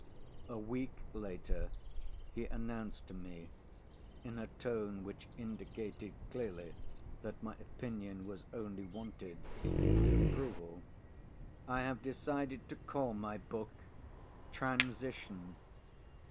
A week later, he announced to me in a tone which indicated clearly that my opinion was only wanted if it was approval, "I have decided to call my book 'Transition.'"